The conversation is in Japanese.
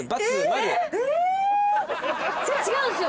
違うんすよ。